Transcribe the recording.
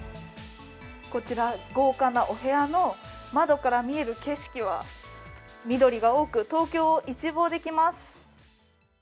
こちら、豪華なお部屋の窓から見える景色は緑が多く、東京を一望できます。